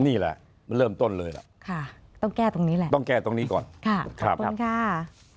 นี่แหละมันเริ่มต้นเลยล่ะค่ะต้องแก้ตรงนี้แหละต้องแก้ตรงนี้ก่อนค่ะขอบคุณค่ะ